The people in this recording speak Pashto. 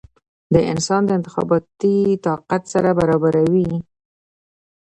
د انسان د انتخابي طاقت سره برابروې ؟